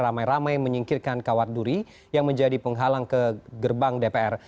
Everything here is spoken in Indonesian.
ramai ramai menyingkirkan kawat duri yang menjadi penghalang ke gerbang dpr